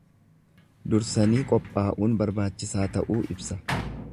Dursanii qophaa'uun barbaachisaa ta'uu ibsa.